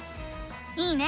いいね！